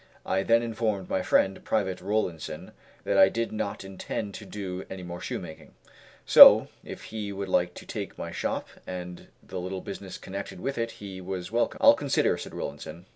I then informed my friend, Private Rollinson, that I did not intend to do any more shoemaking; so, if he would like to take my shop and the little business connected with it he was welcome. "I'll consider," said Rollinson.